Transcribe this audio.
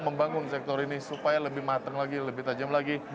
membangun sektor ini supaya lebih matang lagi lebih tajam lagi